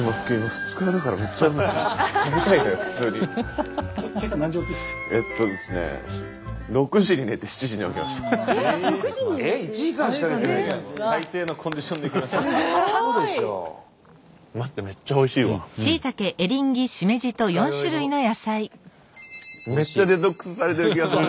二日酔いのめっちゃデトックスされてる気がする。